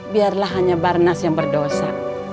biarlah hanya barnas yang berdosa